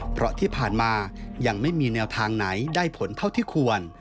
เพราะที่ผ่านมายังไม่มีแนวทางไหนได้ผลเท่าที่ควร